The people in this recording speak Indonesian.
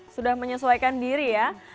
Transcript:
sudah menyesuaikan diri ya